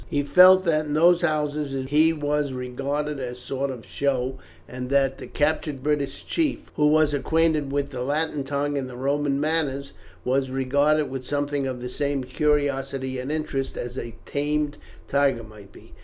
He felt that in these houses he was regarded as a sort of show, and that the captured British chief, who was acquainted with the Latin tongue and with Roman manners, was regarded with something of the same curiosity and interest as a tamed tiger might be.